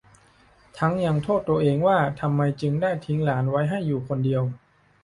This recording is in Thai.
ทั้งยังโทษตัวเองว่าทำไมจึงได้ทิ้งหลานไว้ให้อยู่คนเดียว